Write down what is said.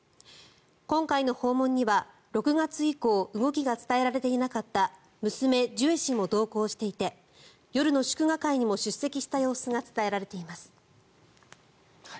今回の訪問には、６月以降動きが伝えられていなかった娘・ジュエ氏も同行していて夜の祝賀会にも出席した様子が伝えられています。